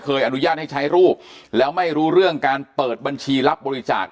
อนุญาตให้ใช้รูปแล้วไม่รู้เรื่องการเปิดบัญชีรับบริจาค